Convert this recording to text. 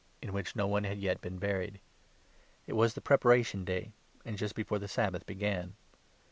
in which no one had yet been buried. It was the Pre 54 paration Day, and just before the Sabbath began.